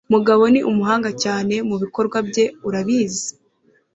Mugabo ni umuhanga cyane mubikorwa bye, urabizi.